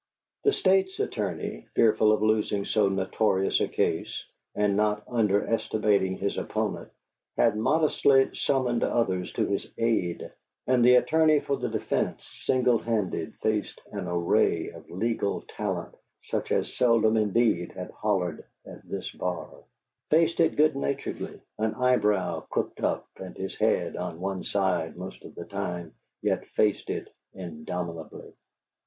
The State's attorney, fearful of losing so notorious a case, and not underestimating his opponent, had modestly summoned others to his aid; and the attorney for the defence, single handed, faced "an array of legal talent such as seldom indeed had hollered at this bar"; faced it good naturedly, an eyebrow crooked up and his head on one side, most of the time, yet faced it indomitably.